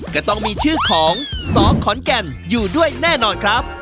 ก็ต้องมีชื่อของสขอนแก่นอยู่ด้วยแน่นอนครับ